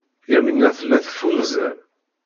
Yamina tella teffunzer.